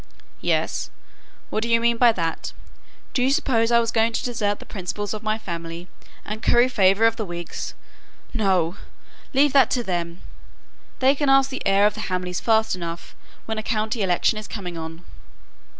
"Yes. What d'ye mean by that? Do you suppose I was going to desert the principles of my family, and curry favour with the Whigs? No! leave that to them. They can ask the heir of the Hamleys fast enough when a county election is coming on."